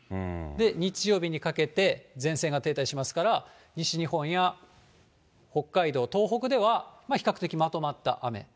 日曜日にかけて前線が停滞しますから、西日本や北海道、東北では、比較的まとまった雨。